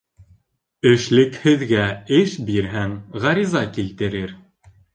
Эшлекһеҙгә эш бирһәң, ғариза килтерер.